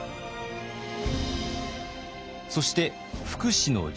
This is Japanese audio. そして福祉の充実。